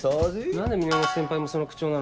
何で源先輩もその口調なの？